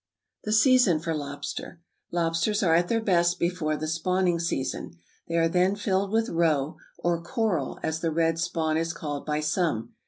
=The Season for Lobster.= Lobsters are at their best before the spawning season. They are then filled with roe, or coral as the red spawn is called by some.